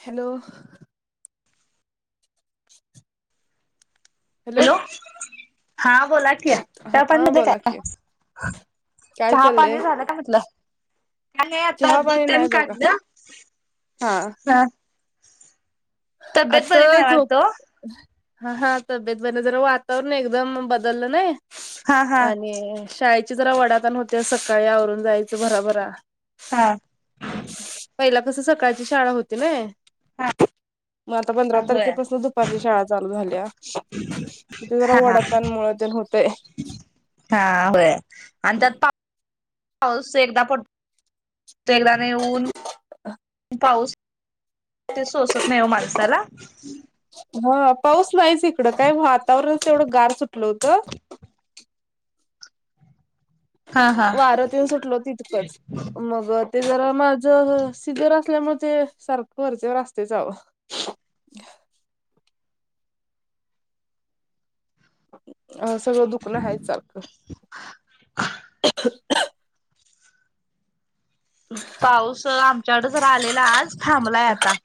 Hello. Hello. हा बोला की हा चापाणि झालं बोला की काय? काय चहा पाणी चाललंय झालं का म्हटलं? काय नाही आता चहा पाणी दूधतेन नाही बघा काढलं. हा. तब्येत आता बरी नाही झोप वाटत ओ हा हा तब्येत बर जरा वातावरण एकदम बदललं नई. हा हा आणि शाळेचे जरा वडााताण होते सकाळी आवरून जायच भराभरा. हा. कस सकाळची शाळा होती नई. मग आता पंधरा होय तारखेपासून दुपारची शाळा चालू झाल्या. ते जरा वडाताणमुळ तेण होतय. हा. होय आणि त्यात पा - - पाऊस एकदा पड तोय एकदा नई ऊन - - पाऊस ते सोसत नाही हो माणसाला. हा पाऊस नाहीच इकडं काय वातावरणच एवढं गार सुटलं होतं. हा हा वारतेन सुटल होत तितकंच मग ते जरा मा - - ज सिजर असल्यामुळे ते सारखं वरच्यावरअसतयचं आओ. अ सगळं दुखणं हायच सारखं. पाऊस आमच्याकड जरा आलेला आज थांबलाय आता.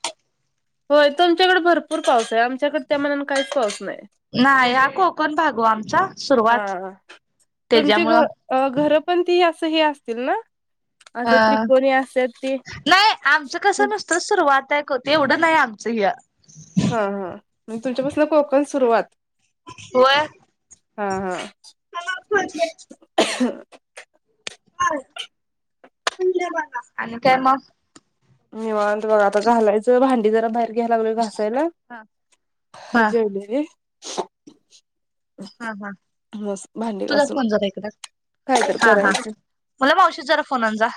होय तुमच्याकडे भरपूर पाऊस आहे आम च्याकड त्या मानान काईच पाऊस नाय नाही हा कोकण भाग ओ आमचा हा सुरुवात हा. तुमची घ त्याच्यामुळं अ घर पण ती असं हे असतील ना? असं हां त्रिकोणी असतात ते. नाय आमचं कस नुसत सुरवात [unintelligible] होत एवढं न्हाय आमचं ह्य हा हा. म्हंजे तुमच्यापासन कोकन सुरुवात? होय हा हा. आणि काय मग? निवांत बगा. आता घालायचं भांडी जरा बाहेर घ्यालागलोय घासायला हा हा जेवलेली हा हा. मस भांडी तुझाच घासून फोन झाला एकदा. कायतर हा हा, करायचं. मुला मावशीचा जरा फोन आण जा.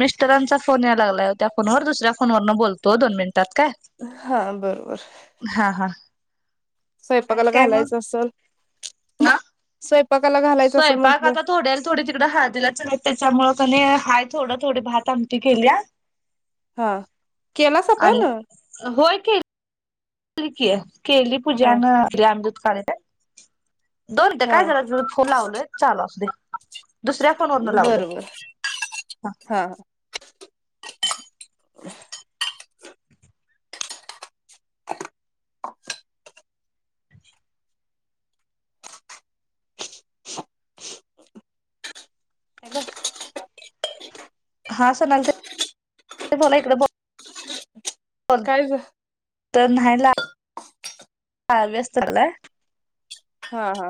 मिस्टरांचा फोन या लागलाय ओ त्या फोनवर, दुसऱ्या फोनवरन बोलतो दोन मिन त्यात काय हा हा हा सैपाकाला घालायचं असल अ स्वयंपाकाला घालायचं असल स्वयपाक म्हण आता थोड्याल थोडे तिकडे हाळदीला चाल्यात त्याच्यामुळे चल्ले हाय थोडं थोडी भातआमटी केल्या‌ हा केलास आपण आणि होय की [unintelligible] केली हा पूजान [unintelligible] दोन मिंट हा काय झालं तु फोन लावलोय चालू असूदे. बर बर हां. [unintelligible] हॅलो. हा सोनाली ताई बोला इकडं बो बग काय झा तर न्हाय ला हा व्यस्त लागलाय हा हा.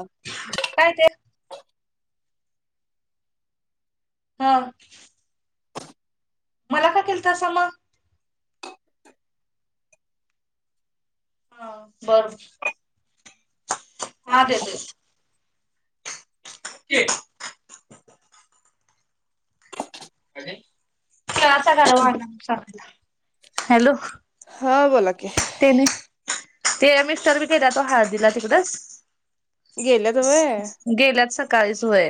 हा. मला का केलतासा म? हा बरोब हा देते. के तीळाचा गाडवा आणा म्हणुन सांगा तिला, हॅलो. हा बोलाक तेनी ते मिस्टर बी गेल्यात ओ हळदीला तिकडंच गेल्यात व्हय गेल्यात सकाळीच व्हय.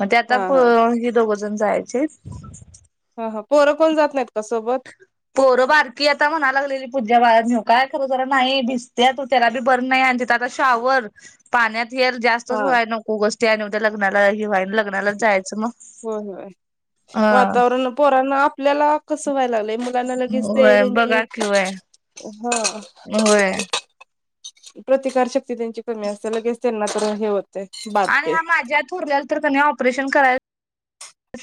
म ते आता हा प हा हे दोघंजण जायची हाईत. हम्म हम्म, पोरं कोण जात नाईत का सोबत? पोरं बारकी आता म्हणा लागलेली, [unintelligible] न्हिऊ काय खरं जरा न्हाई भिजत्यात ओ त्याला बी बर नाय आ आन तिथं आता शावर पाण्यात हेर जास्तच हा व्हाय नको, उगच ते आणि उद्या लग्नाला‌ हे व्हाय लग्नालाच जायचं म होय होय. वातावरण पोरांना आपल्याला कसं व्हाय लागलंय मु लांना लगेच ते होय त्यांची बघा कि व्हय हां होय प्रतिकारशक्ती त्यांची कमी असत्या लगेच त्यांनातर हे होत आणि हां माझ्या थोरल्या तर कणे ऑपरेशन कराय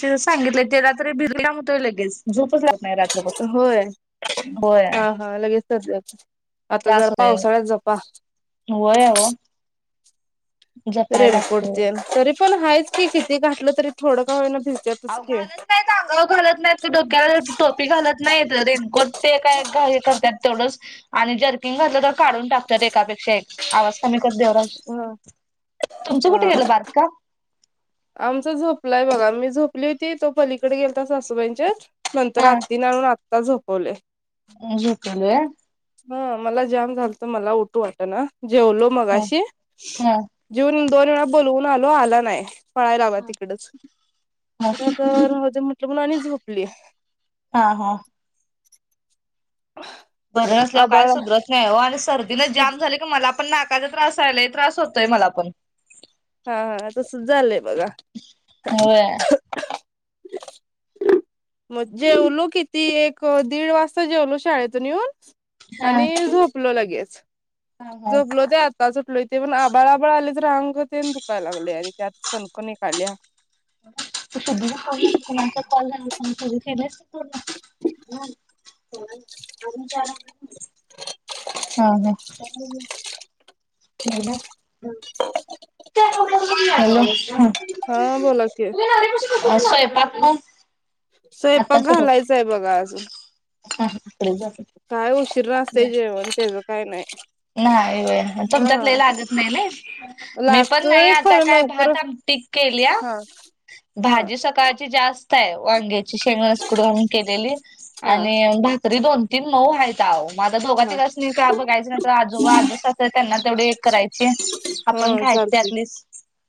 च सांगितलंय तेला तरी [unintelligible] होतोय लगेच झोपच लागत नाही रात्रभर होय. होय हा हा लगेच तसलच आता जरा त्रास होतोय पावसाळ्यात जपा. होय ओ जपाय लागतय रेनकोटतेन तरीपण हायचकी किती घाठलं तरी थोडंका होईना. भिजत्यातच आओ की घालत नायत अंगाव घालत नायत का डोक्याल टोपी घालत नाईत रेनकोट ते काय? [unintelligible] करत्यात तेवढंच आणी जर्कीन घातलतर काढून टाकत्यात एकापेक्षा एक आवाज कमी कर देवराज हा तुमचं कुठ हा गेलं बारकं? आमचा झोपलाय बघा मी झोपली होती तो पलीकड गेलता सासूबाईंच्यात नंतर आत्तीन आणून आत्ता झोपवलय. [unintelligible] झोपवलय. हा मला जाम झालत, मला उटू वाटना जेवलो होय मगाशी हा जिवू दोन वेळा बोलवून आलो आल नाय. पळाय लागला तिकडच हा मग राहू दे म्हटलं म्हणून आणि झोपल्या हा हा. बरं नसल्याव काय आबाळ सुधरत नाही वो आणि सर्दीनं जाम झालं की मला पण नाकाचा त्रास हाय लय त्रास होतोय मला पण हा हा तसच झालंय बघा. होय. [unintelligible] म जेवलो किती एक दीड वाजता जेवलो शाळेतून यून हा हा आणि झोपलो लगेच, हा झोपलो ते आ ताच उटलोय ते पण आबाळ आबाळआलय तर अंग तेन दुकाय लागलय आणि त्यात कणकण एक आल्या. [unintelligible] [unintelligible] हा हा [unintelligible] [unintelligible] [inaudible] हॅलो ह. [inaudible] हा बोला की आज स्वैपाक पण स्वैपाक घालायचा हाय बघा अजून हा इकडे जा की. काय उशीरा असतय जेवण तेज काय नाही. नाही व्हय तुमच्यात हा लय लागत नाही नाय. मी पण नाही लागतोय आता खरं काय लवकर भात आमटीच केल्या हा हा भाजी सकाळ ची जास्त हाय वांग्याची शेंगदाण्याचा कुट घालून केलेली हा आणि भाकरी दोन ती [unintelligible] हायता वो म आता दोघा हा तिघास्नी काय बघायचं. जवळ आज्जसासू हाय त्यांना तेवढं एक करायची, आपण हा खायची चालते त्यातलीच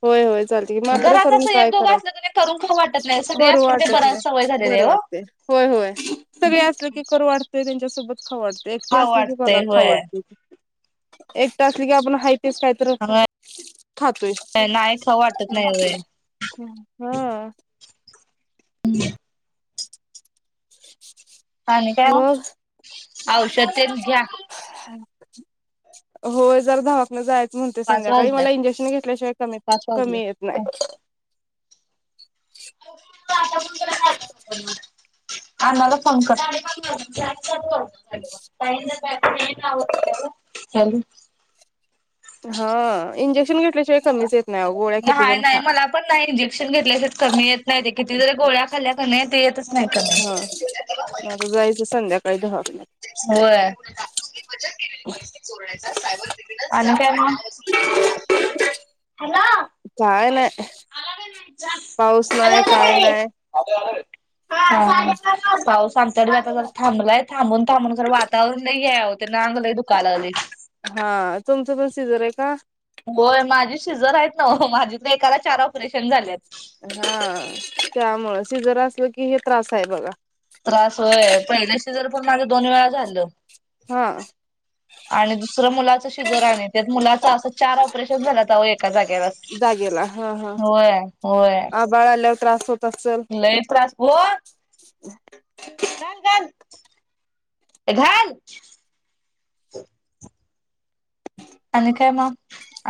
होय होय चालते मात्र घरात करून असं एक काय दोघं करायचं असलं कने करून खाऊ वाटत नाही सगळी असली म्हंजे बराय सवय झालेली आहे. करू ओ वाटतय होय होय सगळी असल की करू वाटतय त्यांच्यासोबत खाऊ वाट एकटी खाऊ असल की वाटतंय कोणा खाऊ होय वाटतय, एकटी असलं की आपलं हाय. तेच कायतर होय खातोय. नाही खाऊ वाटत ह हम् नाही होय हम हा. ह. आणि काय वो मग औषध तेन घ्या. होय जरा दवाखान्यात जाय. च म्हणते पाच संध्याकाळी वाजल्यात मला इंजेक्शन घेतल्याशिवाय कमी त पाच कमी येत नाय. [inaudible] आण्णाला फोन कर. साडे पाच वाज [unintelligible] [unintelligible] हॅलो. हा इंजेक्शन घेतल्याशिवाय कमीच येत नाही आव. नाही नाही मला पण नाही इंजेक्शन घेतल्या शिवाय कमी येत नाही ते किती जरी गोळ्या खाल्ल्या कने ते येतच. नाही कमी. हा म आता जायचं संध्याकाळी दहा. होय. [inaudible] काय नाय पाऊस नाय काय नाय. [unintelligible] काय पाऊस [unintelligible] आता थांबलाय थांबून थांबून जरा वातावरण लय हे हाय वो तेन आंग लय दुका लागलय. हा तुमचं पण सिजर आहे का? होय माझी शिजर आहेत नव माझी तर एकाला चार ऑपरेशन झाल्यात हा त्यामुळे शिजर असल की हे त्रास आहे बघा त्रास होय पहिल शीजर पण माझं दोन वेळा झालं हा आणि दुसरं मुलाच शिजर आणि त्या मुलाच असं चार ऑपरेशन झाला अहो एका जागेलाच जागेला हा हा होय होय आबाळ आल्यावर त्रास होत असेल लय एक त्रास घाल घाल घाल आणि काय मग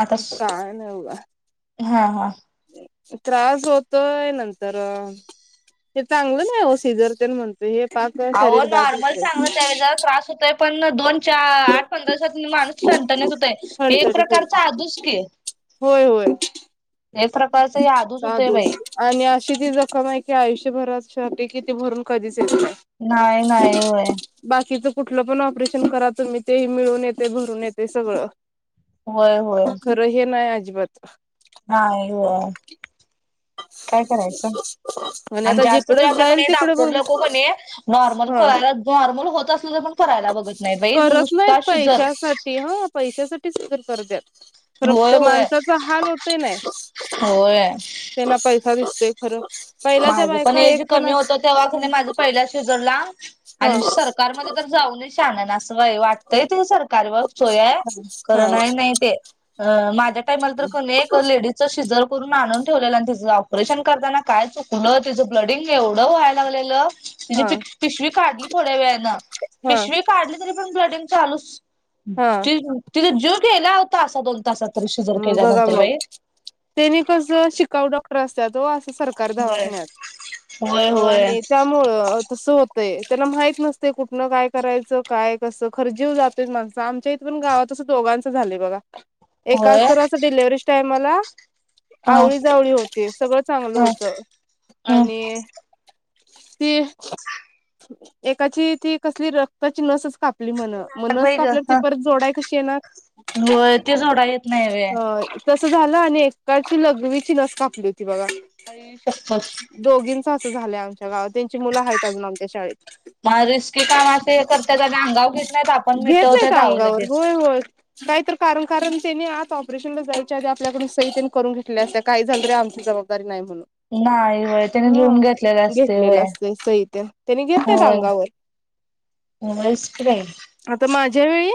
आता काय नाही बघा हा हा त्रास होतोय नंतर ते चांगलं नाही हो सिझर तेन म्हणत आहो नॉर्मल चांगलं त्यावेळे त्रास होतोय पण दोन आठ पंधरा दिवसात माणूस ठणठणीत होतय हे एक ठणठणीत होतय प्रकारचा आधुच की होय एक प्रकारच हे आदूच होतय बाई. आधुच आणि अशी ती जखम आहे की आयुष्यभरासाठी कि ती भरून कधीच येत नाही. नाही नाही होय बाकीच कुठलं पण ऑपरेशन करा तुम्ही ते मिळून येते भरून येते सगळं होय होय अजित हा होय काय करायचं. हा [inaudible] आणि आता जास्त ते जिकडे आता जाईल कोणी तिकडे डॉक्टर बघ लोक कोणी नॉर्मल हा करायला नॉर्मल होत असलं तर पण करायला बघत नाही बाई करत नाहीत नुसता शिजर पैशासाठी हा पैशासाठी पैशासाठी करतात खरं होय त्या होय माणसाचा हाल होतय नाही होय ना पैसा दिसतोय खरं पहिल्याच्या माझं पण बायका एज एक कमी अस होत तेव्हा की ह नाही माझं पहिल्या सिजर हा आणि सरकारमध्ये तर जाऊ शाहण्याने ना असंय वाटतंय ते सरकार व सोय आहे खरं नाही नाही ते अ माझ्या टाइमाला तर एक लेडीजचा शिजर करून आणून ठेवलेलं आणि ऑपरेशन करताना काय चुकलं तिचं ब्लिडिंग एवढं व्हायला लागलं हा तिची पिशवी काढली थोड्या वेळाने हा हा पिशवी काढली तरी ब्लिडिंग चालूच तिथ जो गेला तासा दोन तासात तरी शिजर हम् बघा केल्यानंतर मग बाई त्यानी कस शिकावू डॉक्टर असत असं सरकार बर दवाखान्यात होय होय. आणि त्यामुळं तस हो त्याला माहित नसते कुठुन काय करायचं काय कसं खर जीव जातो च माणसं आमच्या इथ पण गावात दोघांच झालं बघा एकाच होय तर अस डिलिव्हरीच्या टाईमला हा आवळीजवळी होती सगळं चांगलं हा. होतं हम्म आणि ती एकाची ती कसली रक्ताची नसच कापली म्हन मग नस बाई ग कापल्यावर ती ह परत जोडायला कशी येणार जोडता येत नाही होय तस झालं आणि एकाची लघवीची लस कापली होती बघा आई शप्पथ दोघी असं झालंय आमच्या गावात त्यांची मुलं आहेत अजून आमच्या शाळेत मग रिस्की काम असे हे करतात आणि अंगावर घेत नाहीत आपण घेत नाहीत मिटवतात आहो अंगावर लगेच होय होय काही तर कारण त्याने आत ऑपरेशनला जायच्या आधी आपल्याकडून सही त्यांनी करून घेतल्या असल्या काही झालं रे आमची जबाबदारी नाही नाही व्हय त्याने हा लिहून घेतलेलं असतय घेतलेलं व्हय असत सहि त्यानी घेत होय रांगावर व्हयच की बाई आता माझ्या वेळी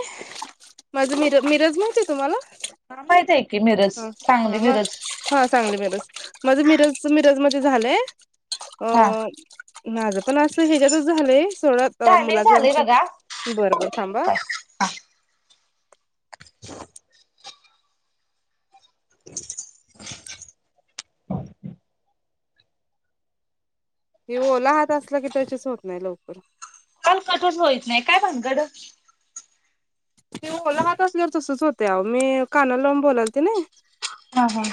माझ मिरज माहिती तुम्हाला हा माहित आहे की मिरज हा सांगली हा मिरज हा सांगली मिरज माझं मिरज मिरज मध्ये झालंय अ हा माझं पण अस ह्याच्यातच झालंय थोडते त अ टायमिंग मुलाच झालंय आमच्या बघा बरं बरं थांबा. काय हा [unintelligible] [inaudible] हे ओला हात असला की त्याचेच होत नाही लवकर. काल कटून होईत नाही काय भांगड? ते ओला हात असल्या वर तसचं होतेय मी हा हा